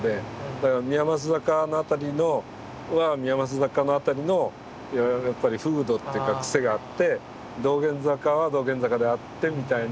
だから宮益坂の辺りは宮益坂の辺りのやっぱり風土っていうかクセがあって道玄坂は道玄坂であってみたいな。